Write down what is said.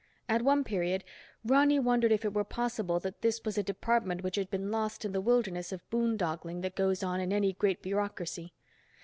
At one period, Ronny wondered if it were possible that this was a department which had been lost in the wilderness of boondoggling that goes on in any great bureaucracy.